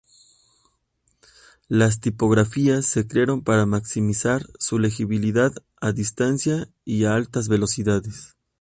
Las tipografías se crearon para maximizar su legibilidad a distancia y a altas velocidades.